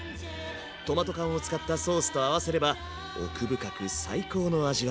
トマト缶を使ったソースと合わせれば奥深く最高の味わいに。